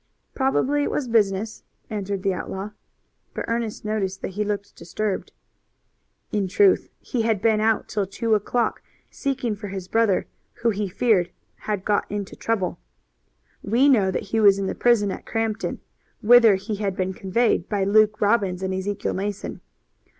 "Probably it was business," answered the outlaw, but Ernest noticed that he looked disturbed. In truth he had been out till two o'clock seeking for his brother, who he feared had got into trouble. We know that he was in the prison at Crampton, whither he had been conveyed by Luke Robbins and Ezekiel Mason.